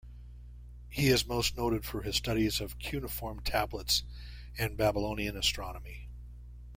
He is most noted for his studies of cuneiform tablets and Babylonian astronomy.